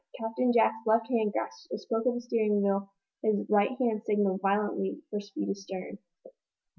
Captain Jack's left hand grasped a spoke of the steering wheel; his right hand signaled violently for speed astern.